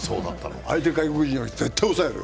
相手外国人を絶対に抑える。